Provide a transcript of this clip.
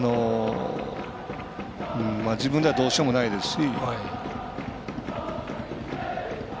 自分じゃどうしようもないですし。